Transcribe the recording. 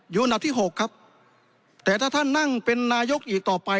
อันดับที่หกครับแต่ถ้าท่านนั่งเป็นนายกอีกต่อไป